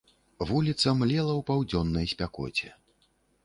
Вуліца млела ў паўдзённай спякоце.